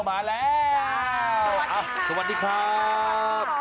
สวัสดีครับ